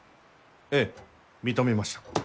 ええ認めました。